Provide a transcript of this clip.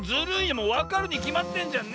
もうわかるにきまってんじゃんねえ。